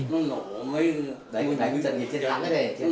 đánh trận gì triển thắng thế này triển thắng